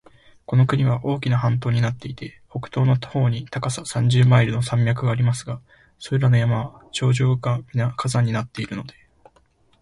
この国は大きな半島になっていて、北東の方に高さ三十マイルの山脈がありますが、それらの山は頂上がみな火山になっているので、